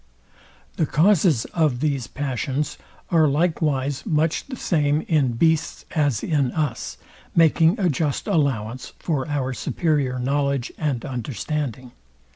The CAUSES of these passions are likewise much the same in beasts as in us, making a just allowance for our superior knowledge and understanding.